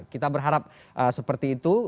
kita berharap seperti itu